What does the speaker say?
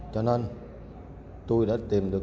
cho nên tôi đã tìm được